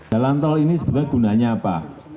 jalan tol ini sebenarnya gunanya apa